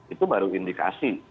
itu baru indikasi